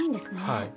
はい。